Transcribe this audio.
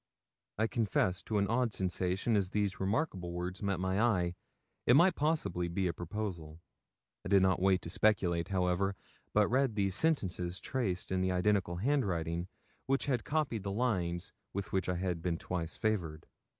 I confess to an odd sensation as these remarkable words met my eye. It might possibly be a proposal. I did not wait to speculate, however, but read these sentences traced in the identical handwriting which had copied the lines with which I had been twice favoured.